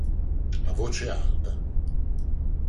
A voce alta